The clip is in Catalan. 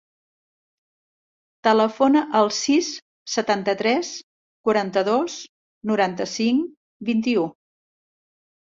Telefona al sis, setanta-tres, quaranta-dos, noranta-cinc, vint-i-u.